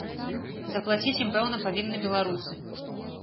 Заплаціць ім, пэўна, павінны беларусы?